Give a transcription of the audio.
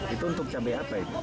itu untuk cabai apa itu